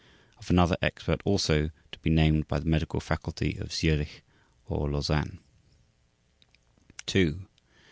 of another expert also to be named by the medical faculty of Zürich or Lausanne. II .